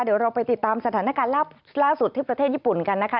เดี๋ยวเราไปติดตามสถานการณ์ล่าสุดที่ประเทศญี่ปุ่นกันนะคะ